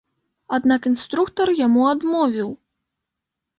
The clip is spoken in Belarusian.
Аднак інструктар яму адмовіў.